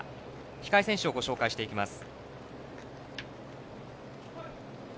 控え選手をご紹介していきます。